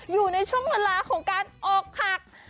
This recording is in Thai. อยู่ในช่วงเวลาของการออกหัก